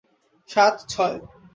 সাত, ছয়।